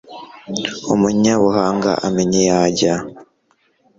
umunyabuhanga amenya iyo ajya